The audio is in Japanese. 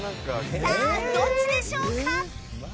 さあ、どっちでしょうか？